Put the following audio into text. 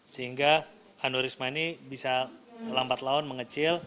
sehingga hanorisma ini bisa lambat laun mengecil